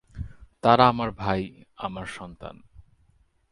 তারা আমার ভাই, আমার সন্তান।